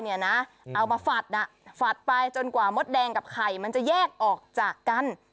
เอามาฝัดฝัดไปจนกว่ามดแดงกับไข่มันจะแยกออกจากกัน